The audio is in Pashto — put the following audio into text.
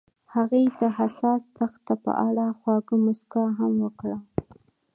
هغې د حساس دښته په اړه خوږه موسکا هم وکړه.